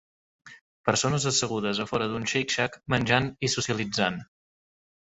Persones assegudes a fora d'un "Shake Shack" menjant i socialitzant.